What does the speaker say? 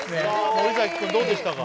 森崎くんどうでしたか？